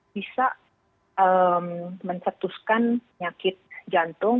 bisa mencetuskan nyakit jantung